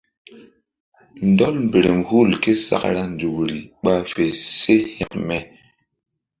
Ndɔl mberem hul ké sakra nzukri ɓa fe se hekme.